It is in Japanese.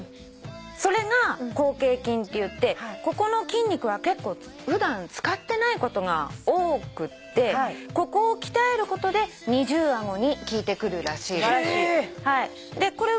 それが広頚筋っていってここの筋肉は結構普段使ってないことが多くってここを鍛えることで二重顎に効いてくるらしいです。